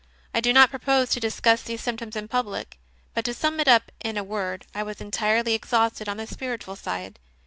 I do not propose to dis cuss these symptoms in public, but, to sum it up in a word, I was entirely exhausted on the spiritual side.